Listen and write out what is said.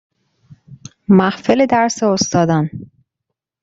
محفل درس استادان